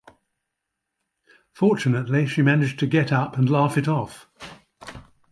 Fortunately, she managed to get up and laugh it off.